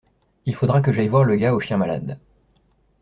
Il faudra que j’aille voir le gars au chien malade.